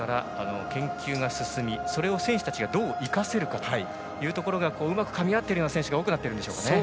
研究が進みそれを選手たちがどう生かせるかというところがうまくかみ合っている選手が多くなっているんでしょうかね。